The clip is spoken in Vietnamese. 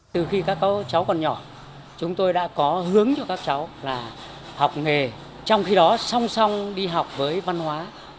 từ khi các cháu còn nhỏ chúng tôi đã có hướng cho các cháu là học nghề trong khi đó song song đi học với văn hóa